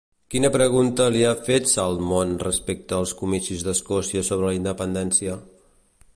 Quina pregunta li ha fet Salmond, respecte als comicis d'Escòcia sobre la independència?